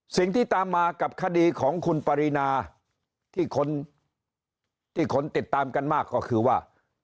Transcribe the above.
สิ่งที่ตามมากับคดีของคุณปรินาที่คนที่คนติดตามกันมากก็คือว่า